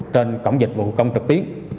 trên cổng dịch vụ công trực tiến